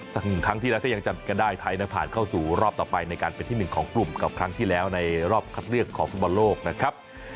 ครั้งที่แล้วถ้ายังจำกันได้ไทยนั้นผ่านเข้าสู่รอบต่อไปในการเป็นที่หนึ่งของกลุ่มกับครั้งที่แล้วในรอบคัดเลือกของฟุตบอลโลกนะครับ